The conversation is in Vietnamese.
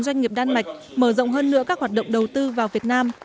doanh nghiệp đan mạch mở rộng hơn nữa các hoạt động đầu tư vào việt nam